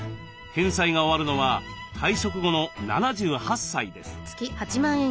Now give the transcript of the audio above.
返済が終わるのは退職後の７８歳です。